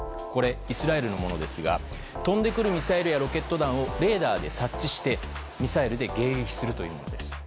これ、イスラエルのものですが飛んでくるミサイルやロケット弾をレーダーで察知してミサイルで迎撃するというものです。